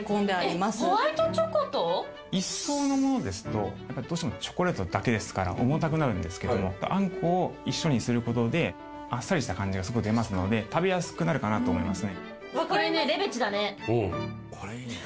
一層のものですとチョコレートだけですから重たくなるんですけどもあんこを一緒にすることであっさりした感じが出ますので食べやすくなるかなと思います。